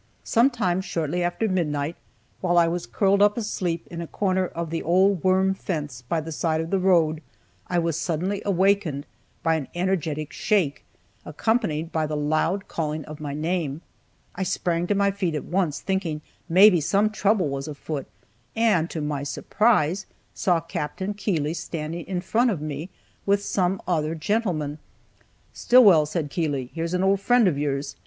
Some time shortly after midnight, while I was curled up asleep in a corner of the old worm fence by the side of the road, I was suddenly awakened by an energetic shake, accompanied by the loud calling of my name. I sprang to my feet at once, thinking maybe some trouble was afoot, and, to my surprise, saw Capt. Keeley standing in front of me, with some other gentleman. "Stillwell," said Keeley, "here's an old friend of yours.